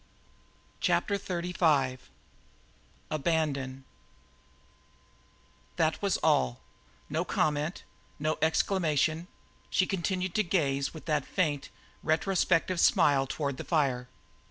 CHAPTER XXXV ABANDON That was all; no comment, no exclamation she continued to gaze with that faint, retrospective smile toward the fire.